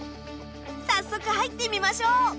早速入ってみましょう。